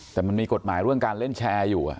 แต่มันมีกฎหมายเรื่องการเล่นแชร์อยู่